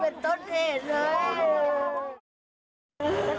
มันเป็นต้นเหตุให้แม่ตาย